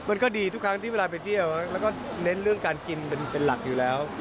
มันก็ดีทุกครั้งที่เวลาไปเที่ยวแล้วก็เน้นเรื่องการกินเป็นหลักอยู่แล้ว